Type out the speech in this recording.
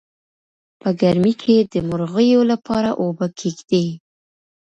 په ګرمۍ کې د مرغیو لپاره اوبه کیږدئ.